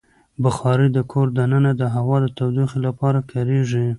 بخاري د کور دننه د هوا د تودوخې لپاره کارېږي.